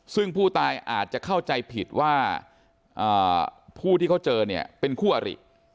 ซึ่งผู้ตายอาจจะเข้าใจผิดว่าผู้ที่เขาเจอเนี่ยเป็นคู่อริ